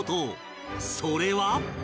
それは